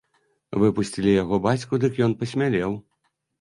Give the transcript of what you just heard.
Выпусцілі яго бацьку, дык ён пасмялеў.